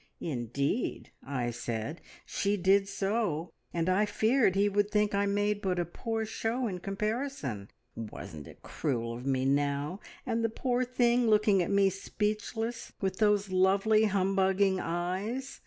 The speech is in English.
`Indeed,' I said, `she did so, and I feared he would think I made but a poor show in comparison.' Wasn't it cruel of me now, and the poor thing looking at me speechless, with those lovely, humbugging eyes!